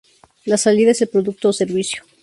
La salida es el producto o servicio.